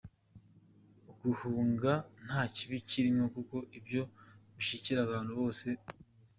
Uguhunga nta kibi kirimwo kuko ivyo bishikira abantu bose bo mw’Isi.